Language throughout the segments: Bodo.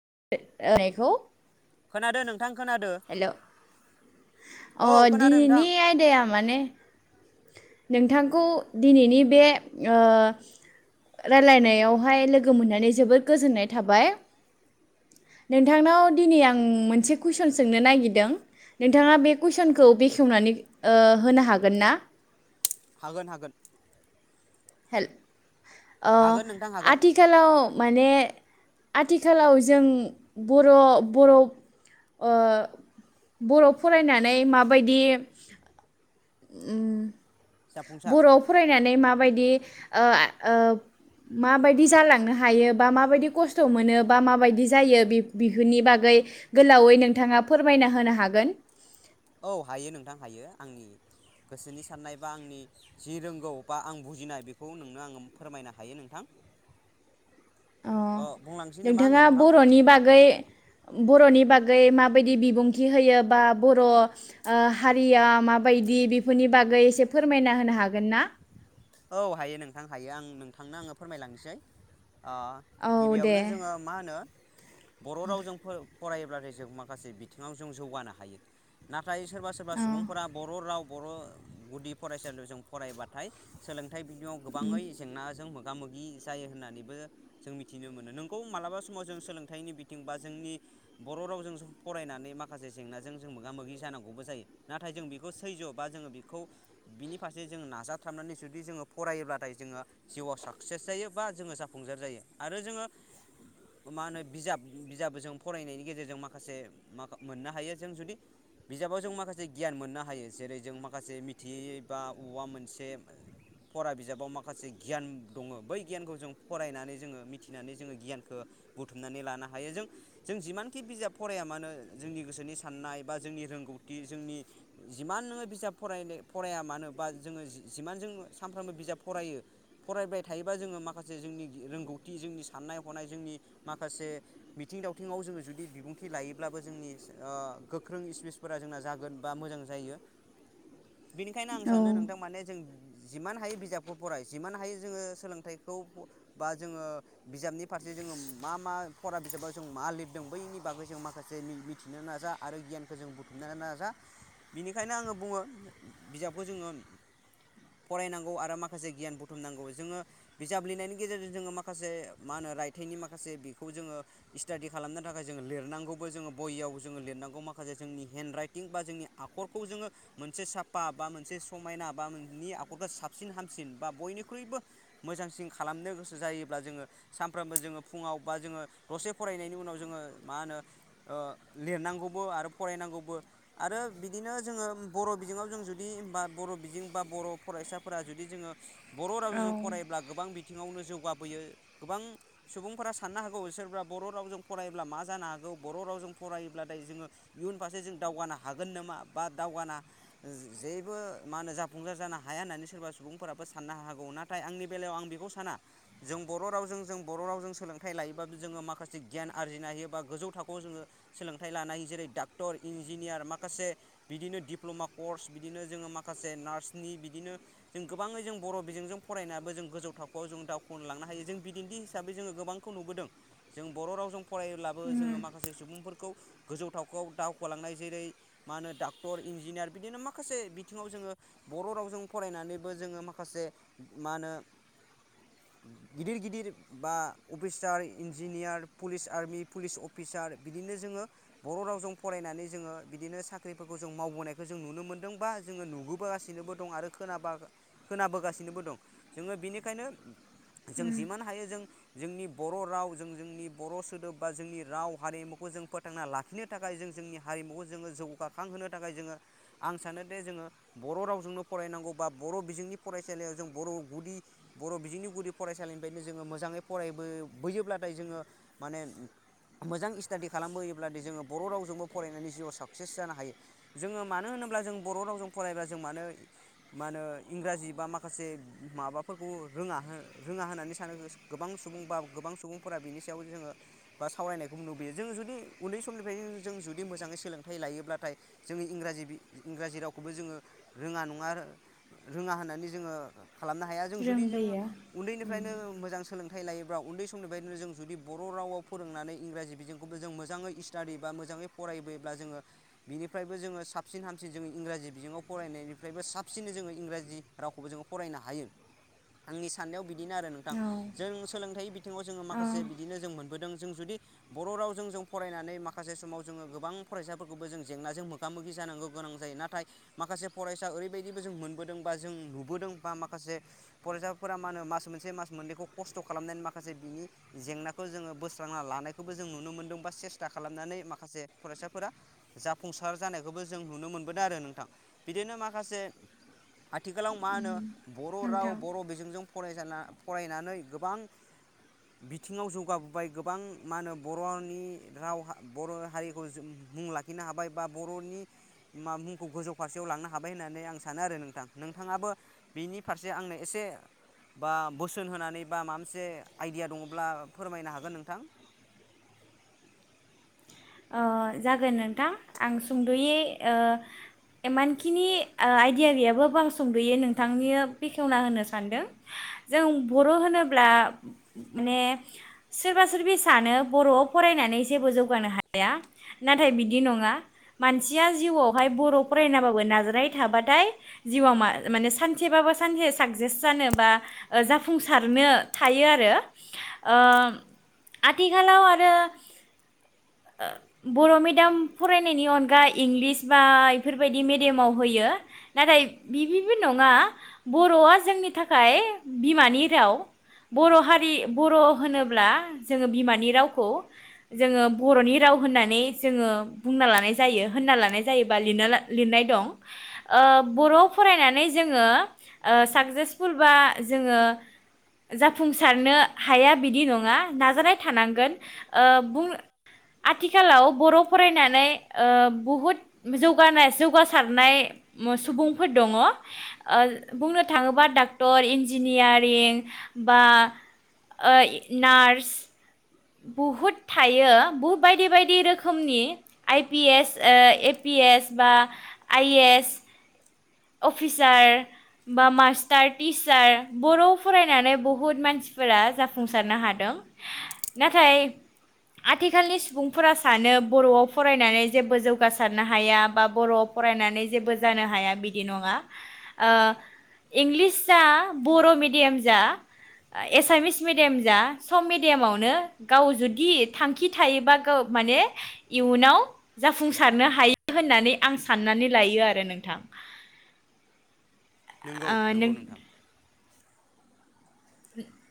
[unintelligible] खोनादों नोंथां खोनादो हेल' अ औ खोनादों नोंथां दिनैनि आयदाया माने नोंथांखौ दिनैनि बे रायलायनायावहाय लोगो मोननानै जोबोद गोजोननाय थाबाय नोंथांनाव दिनै आं मोनसे कुइसन सोंनो नागिरदों नोंथाङा बे कुइसनखौ बेखेवनानै होनो हागोन ना हागोन हागोन हेल हागोन नोंथां हागोन आथिखालाव माने आथिखालाव जों बर' बर' बर' फरायनानै माबायदि जाफुंसार बर'आव फरायनानै माबायदि माबायदि जालांनो हायो बा माबायदि खस्थ' मोनो बा माबायदि जायो बिफोरनि बागै गोलावै नोंथाङा फोरमायना होनो हागोन औ हायो नोंथां हायो आंनि गोसोनि साननाय बा आंनि जि रोंगौ बा आं बुजिनाय बेखौ नोंनो आङो फोरमायनो हायो नोंथां अ बुंलांसै नामा आङो नोंथाङा नोंथां बर'नि बागै बर'नि बागै माबायदि बिबुंथि होयो बा बर' हारिया माबायदि बेफोरनि बागै एसे फोरमायना होनो हागोन ना औ हायो नोंथां हायो आं नोंथांनो आङो फोरमायलांनोसै औ दे गिबियावनो जोङो मा होनो बर' रावजों फरायोब्लाथाय जों माखासे बिथिङाव जों जौगानो हायो नाथाय नाथाय सोरबा सोरबा औ सुबुंफोरा बर' राव बर' गुदि फरायसालियाव जों फरायबाथाय सोलों नाथाय बिथिङाव गोबाङै जेंनाजों मोगा मोगा मोगि जायो होननानैबो जों मिथिनो मोनो नोंगौ मालाबा समाव जों सोलोंथाइनि बिथिं बा जोंनि बर' रावजों फरायनानै माखासे जेंनाजों जों मोगा मोगि जानांगौबो जायो नाथाय जों बेखौ सैज्य' बा जोङो बेखौ बिनि फारसे जों नाजाथाबनानै जुदि जोङो फरायोब्लाथाय जोङो जिउआव साक्सेस जायो बा जोङो जाफुंसार जायो आरो जोङो मा होनो बिजाब बिजाब जों फरायनायनि गेजेरजों माखासे माख मोननो हायो जों जुदि बिजाबाव जों माखासे गियान मोननो हायो जेरै जों माखासे मिथियै बा औवा मोनसे फरा बिजाबाव माखासे गियान दङ बै गियानखौ जों फरायनानै जोङो मिथिनानै जोङो गियानखौ बुथुमनानै लानो हायो जों जों जिमानखि बिजाब फराया मानो जोंनि गोसोनि साननाय बा जोंनि रोंगौथि जोंनि जिमान नोङो बिजाब फराय फराया मानो बा जोङो जिमान जों सानफ्रोमबो बिजाब फरायो फरायबाय थायोबा जोङो माखासे जोंनि रोंगौथि जोंनि साननाय हनाय जोंनि माखासे मिथिं दावथिङाव जोङो जुदि बिबुंथि लायोब्लाबो जोंनि गोख्रों स्पिसफोरा जोंना जागोन बा मोजां जायो बिनिखायनो आं सानो नोंथां औ माने जों जिमान हायो बिजाबखौ फराय जिमान हायो जोङो सोलोंथाइखौ बा जोङो बिजाबनि फारसे जोङो मा मा फरा बिजाबाव जों मा लिरदों बैनि बागै जों माखासे मिथिनो नाजा आरो गियानखौ जों बुथुमनो नाजा बिनिखायनो आङो बुङो बिजाबखौ जोङो फरायनांगौ आरो माखासे गियान बुथुमनांगौ जोङो बिजाब लिरनायनि गेजेरजों जोङो माखासे मा होनो रायथाइनि माखासे बेखौ जोङो स्टाडि खालामनो थाखाय जोङो लिरनांगौबो जोङो बययावबो जोङो लिरनांगौ माखासे जोंनि हेन्ड राइटिं बा जोंनि आखरखौ जोङो मोनसे साफा बा मोनसे समायना बा मोननि साबसिन हामसिन बा बयनिख्रुइबो मोजांसिन खालामनो गोसो जायोब्ला जोङो सानफ्रोमबो जोङो फुङाव बा जोङो दसे फरायनायनि उनाव जोङो मा होनो लिरनांगौबो आरो फरायनांगौबो आरो बिदिनो जोङो बर' बिजोङाव जों जुदि बा बर' बिजों बा बर' फरायसाफोरा जुदि जोङो बर' औ रावजों फरायब्ला गोबां बिथिङावनो जौगा बोयो गोबां सुबुंफोरा साननो हागौ सोरबा बर' रावजों फरायोब्ला मा जानो हागौ बर' रावजों फरायोब्लाथाय जोङो इयुन फारसे जों दावगानो हागोन नामा बा दावगाना जेबो मा होनो जाफुंजार जानो हाग हाया होननानै सोरबा सुबुंफोराबो साननो हागौ नाथाय आंनि बेलायाव आं बेखौ साना जों बर' रावजों जों बर' रावजों सोलोंथाइ लायोबाबो जोङो माखासे गियान आरजिनो हायो बा गोजौ थाखोआव जोङो सोलोंथाइ लानो हायो जेरै डाक्टर इन्जिनियार माखासे बिदिनो डिप्ल'मा कर्स बिदिनो जोङो माखासे नार्सनि बि बिदिनो जों गोबाङै जों बर' बिजोंजों फरायनायाबो जों गोजौ थाखोआव जों दावखोलांनो हायो जों बिदिन्थि हिसाबै जोङो गोबांखौ नुबोदों जों बर' रावजों फरायोब्लाबो जोङो माखासे सुबुंफोरखौ गोजौ थाखोआव दावखोलांनाय जेरै मा होनो डाक्टर इन्जिनियार बिदिनो माखासे बिथिङाव जोङो बर' रावजों फरायनानैबो जोङो माखासे मा होनो गिदिर गिदिर बा officer engineer police army police officer बिदिनो जोङो बर' रावजों फरायनानै जोङो बिदिनो साख्रिफोरखौ जों मावबोनायखौ जों नुनो मोनदों बा जोङो नुबोगासिनोबो दं आरो खोनाबा खोनाबोगासिनोबो दं जोङो बेनिखायनो जों जिमान हायो जों जोंनि बर' राव जों जोंनि बर' सोदोब बा जोंनि राव हारिमुखौ जों फोथांना लाखिनो थाखाय जों जोंनि हारिमुखौ जोङो जौगाखांहोनो थाखाय जोङो आं सानोदि जोङो बर' रावजोंनो फरायनांगौ बा बर' बिजोंनि फरायसालियाव जों बर' गुदि बर' बिजोंनि गुदि फरायसालिनिफ्रायनो जोङो मोजाङै फरायबोयोब्लाथाय जोङो माने मोजां स्टादि खालामबोयोब्लाथाय जोङो बर' रावजोंबो फरायनानै जिउआव साक्सेस जानो हायो जोङो मानो होनोब्ला जों बर' रावजों फरायब्ला जों मानो। मा होनो इंराजि बा माखासे माबाफोरखौ रोङा रोङा होननानै सानो गोबां सुबुं बा गोबां सुबुंफोरा बिनि सायाव जोङो बा सावरायनायखौ नुुबोयो जों जुदि उन्दै समनिफ्राय जों जुदि मोजाङै सोलोंथाइ लायोब्लाथाय जोंनि इंराजि इंराजि रावखौबो जोङो रोङा नङा मा रोङा होननानै जोङो खालामनो हाया जों जुदि जों रोंबोयो उन्दैनिफ्रायनो मोजां सोलों लायोब्ला उन्दै समनिफ्रायायदिनो जों जुदि बर' रावाव फोरोंनानै इंराजि बिजोंखौबो जों मोजाङै स्टाडि बा मोजाङै फरायबोयोब्ला जोङो बिनिफ्रायबो जोङो साबसिन हामसिन जोङो इंराजि बिजोङाव फरायनायनि फ्रायबो साबसिनै जोङो इंराजि रावखौबो जोङो फरायनो हायो आंनि साननायाव बिदिनो आरो नोंथां औ जों सोलोंथाइ बिथिङाव जोङो औ माखासे बिदिनो जों मोनबोदों जों जुदि बर' रावजों जों फरायनानै माखासे समाव जोङो गोबां फरायसाफोरखौबो जों जेंनाजों मोगा मोगि जानांगौ गोनां जायो नाथाय माखासे फरायसा ओरैबायदिबो जों मोनबोदों बा जों नुबोदों बा माखासे फरायसाफोरा मा होनो मास मोनसे मास मोननैखौ खस्थ' खालामनानै माखासे बिनि जेंनाखौ जोङो बोस्रांना लानायखौबो जों नुनो मोनदों बा सेस्था खालामनानै माखासे फरायसाफोरा जाफुंसार जानायखौबो जों नुनो मोनबोदों आरो नोंथां बिदि बर' राव नोंथां बर' बिजोंजों फरायसाना फरायनानै गोबां बिथिङाव जौगाबोबाय गोबां मा होनो बर'नि राव बर' हारिखौ जों मुं लाखिनो हाबाय बा बर'नि मा मुंखौ गोजौ फारसे लांनो हाबाय होननानै आं सानो आरो नोंथां नोंथाङाबो बिनि फारसे आंनो एसे बा बोसोन होनानै बा माबा मोनसे आइडिया दङब्ला फोरमायनो हागोन नोंथां। ओ जागोन नोंथां आं सुंद'यै ओ इमानखिनि आइदिया गैयाब्लाबो आं सुंद'यै नोंथांनो बेखेवना होनो सानदों जों बर' होनोब्ला माने सोरबा सोरबि सानो बर'आव फरायनानै जेबो जौगानो हाया। या नाथाय बिदि नङा मानसिया जिउआवहाय बर' फरायनाबाबो नाजानाय थाबाथाय जिउआव म माने सानसेबाबो सानसे साक्सेस जानो बा जाफुंसारनो हायो आरो ओ आथिखालाव आरो ओ बर' मिडियाम फरायनायनि अनगा इंलिस बा बेफोरबायदि मेडियामाव होयो नाथाय बिदिबो नङा बर'आ जोंनि थाखाय बिमानि राव बर' हारि बर' होनोब्ला जोङो बिमानि रावखौ जोङो बर'नि राव होननानै जोङो बुंना लानाय जायो होनना लानाय जायोबा लिरना लिरनाय दं ओ बर'आव फरायनानै जोङो साक्सेसफुल बा जोङो जाफुंसारनो हाया बिदि नङा नाजानाय थानांगोन बुं आथिखालाव बर' फरायनानै ओ बहुद जौगानाय जौगासारनाय सुबुंफोर दङ ओ बुंनो थाङोबा डक्टर इन्जिनियारिं बा ओ नार्स बहुद थायो बुहुद बायदि बायदि रोखोमनि आइ पि एस ओ ए पि एस बा आइ ए एस अफिसार बा मास्टार टिचार बर'आव फरायनानै बहुद मानसिफोरा जाफुंसारनो हादों नाथाय आथिखालनि सुबुंफोरा सानो बर'आव फरायनानै जेबो जौगासारनो हाया बा बर'आव फरायनानै जेबो जानो हाया बिदि बिदि नङा ओ इंलिस जा बर' मिडियाम जा एसामिस मिडियाम जा सब मिडियामावनो गाव जुदि थांखि थायोबा गाव माने इयुनाव जाफुंसारनो हायो होननानै आं साननानै लायो आरो नोंथां। नंगौ ओ नंगौ नों नोंथां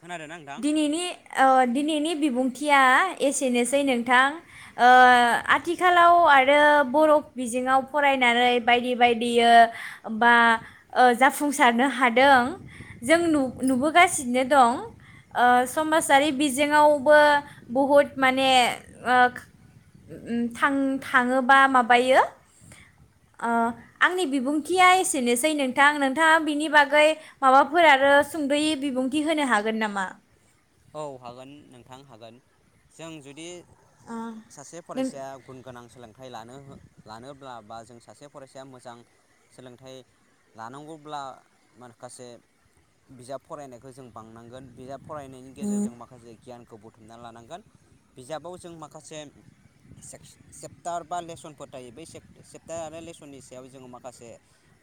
खोनादों ना नोंथां दिनैनि औ दिनैनि बिबुंथिया एसेनोसै नोंथां ओ आथिखालाव आरो बर' बिजोङाव फरायनानै बायदि बायदि बा जाफुंसारनो हादों जों नुबो खालामगासिनो दं ओ समाजारि बिजोङावबो बहुद माने ओ थाङोबा माबायो ओ आंनि बिबुंथिया एसेनोसै नोंथां नोंथाङा बिनि बागै माबाफोर आरो सुंदयै बिबुंथि होनो हागोन नामा? औ हागोन नोंथां हागोन जों जुदि सासे नों फरायसाया गुन गोनां सोलोंथाइ लानो लानोब्ला बा जों सासे फरायसाया मोजां सोलोंथाइ लानांगौब्ला माखासे बिजाब फरायनायखौ जों बांनांगोन बिजाब फरायनाय गेजेरजों माखासे गियानखौ बुथुमना लानांगोन बिजाबाव जों माखासे सेप्टार बा लेसनफोर थायो बै सेप्टार आरो लेसननि सायाव जोङो माखासे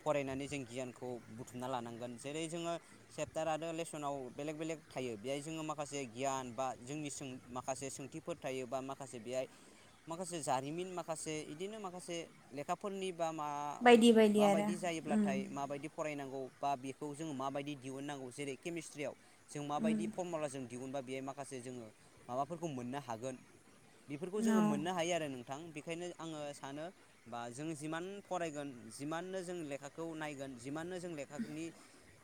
फरायनानै जों गियानखौ बुथुमना लानांगोन जेरै जोङो सेप्टार आरो लेसनाव बेलेग बेलेग थायो बेहाय जोङो माखासे गियान बा जोंनि सों माखासे सोंथिफोर थायो बा माखासे बेहाय माखासे जारिमिन माखासे बिदिनो माखासे लेखाफोरनि बायदि बायदि आरो माबायदि उम जायोब्लाथाय माब बायदि फरायनांगौ बा बेखौ जोङो माबायदि दिहुननांगौ जेरै केमिस्ट्रियाव जों माबायदि जों दिहुनबा बेहाय माखासे जोङो माबाफोरखौ मोननो हागोन। बेफोरखौ औ जोङो मोननो हायो आरो नों नोंथां बेनिखायनो आङो सानो बा जों जिमान फरायगोन जिमाननो जों लेखाखौ नायगोन जिमाननो जों लेखाफोरनि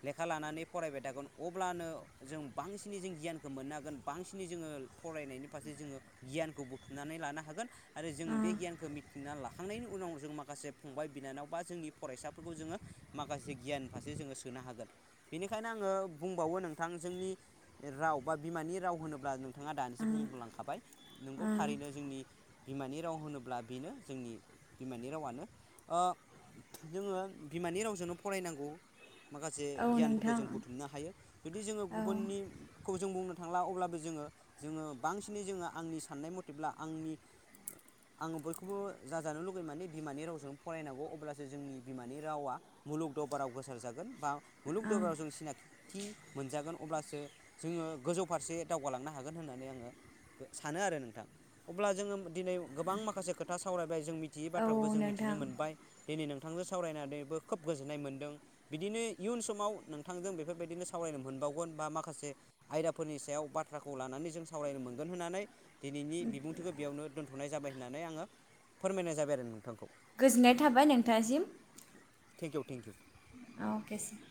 लेखा लानानै फरायबाय थागोन अब्लानो जों बांसिनै जों गियानखौ मोननो हागोन बांसिनै जोङो फरायनायनि फारसे जोङो गियानखौ बुथुमनानै लानो हागोन आरो जों बे गियानखौ लाखांनायनि उनाव जों माखासे फंबाय बिनानाव बा जोंनि फरायसाफोरखौ जोङो माखासे गियान फारसे जोङो सोनो हागोन बेनिखायनो आङो बुंबावो नोंथां जोंनि राव बा बिमानि राव होनोब्ला जों नोंथाङा दानिसो बुंलांखाबाय नोंगौ थारैनो जोंनि बिमानि राव होनोब्ला बेनो जोंनि बिमानि रावानो जोङो बिमानि रावजोंनो फरायनांगौ माखासे गियानफोरखौ जों बुथुमनो हायो जुदि जोङो जों बुंनो थांला अब्लाबो जोङो जोङो बांसिनै जोङो आंनि साननाय मथेब्ला आंनि आङो बयखौबो जाजानो लुुबैयो माने बिमानि रावजों फरायनांगौ अब्लासो जोंनि बिमानि रावा मुलुग दावबाराव गोसार जागोन बा मुलुग दरबाराव जों सिनायथि मोनजागोन अब्लासो जोङो गोजौ फारसे दावगालांनो हागोन होननानै आङो सानो आरो नोंथां अब्ला जोङो दिनै गोबां माखासे खोथा सावराय ओमफ्राय जों मिथियै औ बाथ्राखौबो जों मिथिनो नोंथां मोनबाय दिनै नोंथांजों सावरायनानैबो खोब गोजोननाय मोनदों बिदिनो इयुन समाव नोंथांजों बेफोरबायदिनो सावरायनो मोनबावगोन बा माखासे आयदाफोरनि सायाव बाथ्राखौ लानानै जों सावरायनो मोनगोन होननानै दिनैनि बिबुंथिखौ बेयावनो दोनथनाय जाबाय होननानै आङो फोरमायनाय जाबाय आरो नोंथांखौ गोजोननाय थाबाय नोंथांसिम thank you thank you okay sir